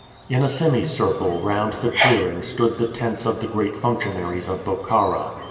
In a semicircle round the clearing stood the tents of the great functionaries of Bokhara.